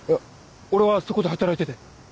俺はそこで働いてて。